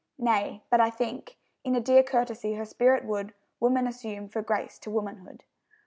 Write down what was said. Nay, but I think In a dear courtesy her spirit would Woman assume, for grace to womanhood.